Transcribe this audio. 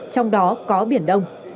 trong đó có biển đông